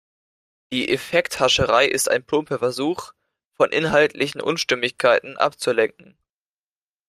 Die Effekthascherei ist ein plumper Versuch, von inhaltlichen Unstimmigkeiten abzulenken.